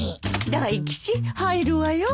大吉入るわよ。